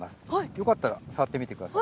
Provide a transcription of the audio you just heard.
よかったら、触ってみてください。